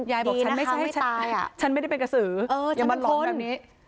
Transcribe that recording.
ยายบอกฉันไม่ใช่ไม่ตายอ่ะฉันไม่ได้เป็นกระสือเออยังมันหลอนแบบนี้